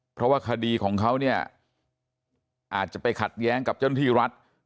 เพราะว่าคดีของเขาเนี่ยอาจจะไปขัดแย้งกับเจ้าหน้าที่รัฐ